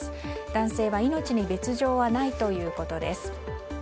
男性は命に別条はないということです。